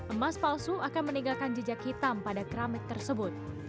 emas palsu akan meninggalkan jejak hitam pada keramik tersebut